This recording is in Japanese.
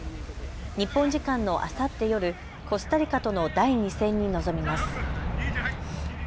日本時間のあさって夜、コスタリカとの第２戦に臨みます。